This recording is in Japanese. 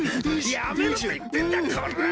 やめろって言ってんだこら！